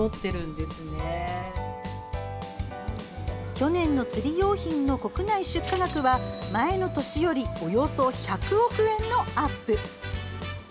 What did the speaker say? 去年の釣り用品の国内出荷額は前の年よりおよそ１００億円のアップ。